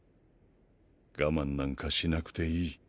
我慢なんかしなくていい。